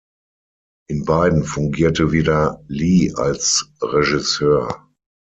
In beiden fungierte wieder Lee als Regisseur.